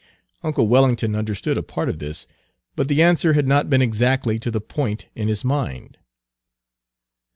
Uncle Wellington understood a part of this, but the answer had not been exactly to the point in his mind.